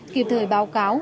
kịp thời báo cáo